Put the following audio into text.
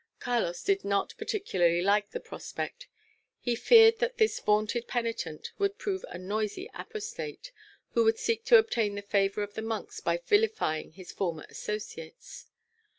Carlos did not particularly like the prospect. He feared that this vaunted penitent would prove a noisy apostate, who would seek to obtain the favour of the monks by vilifying his former associates.